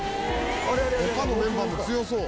「他のメンバーも強そう」